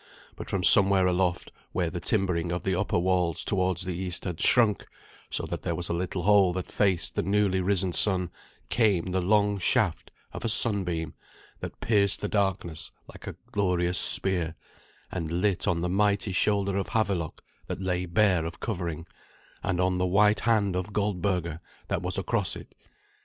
But from somewhere aloft, where the timbering of the upper walls toward the east had shrunk, so that there was a little hole that faced the newly risen sun, came the long shaft of a sunbeam that pierced the darkness like a glorious spear, and lit on the mighty shoulder of Havelok that lay bare of covering, and on the white hand of Goldberga that was across it.